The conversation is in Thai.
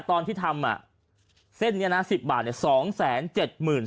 ตอนที่ทำอ่ะเส้นเนี้ยน่ะ๑๐บาทเนี้ยสองแสนเจ็ดหมื่น